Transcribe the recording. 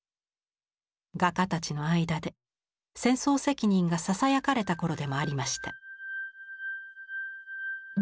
画家たちの間で戦争責任がささやかれた頃でもありました。